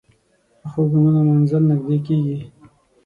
پخو ګامونو منزل نږدې کېږي